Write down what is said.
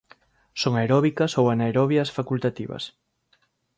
Son aeróbicas ou anaerobias facultativas.